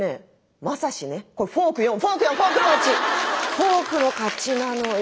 フォークの勝ちなのよ。